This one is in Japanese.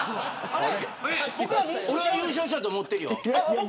俺は優勝したと思ってるよ。